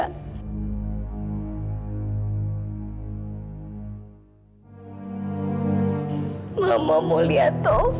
tuhan akan memberikan kita yang terbaik